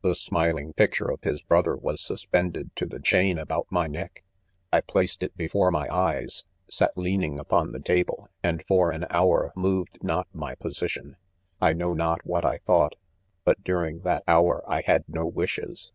The smiling picture of his brother was suspended to the chain about my neck. I placed it before my eyes, sat leaning upon the table, and for an hour moved riot my position. Iknow not what I thought, but during that hour, I had no wishes.